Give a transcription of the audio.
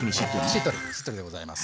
しっとりでございます。